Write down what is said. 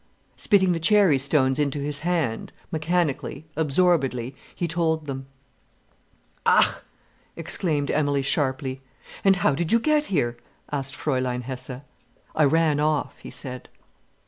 Spitting the cherry stones into his hand, mechanically, absorbedly, he told them. "Ach!" exclaimed Emilie sharply. "And how did you get here?" asked Fräulein Hesse. "I ran off," he said.